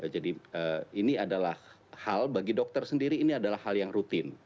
jadi ini adalah hal bagi dokter sendiri ini adalah hal yang rutin